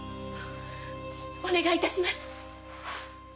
お願いいたします！